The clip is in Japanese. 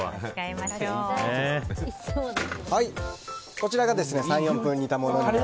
こちらが３４分煮たものになります。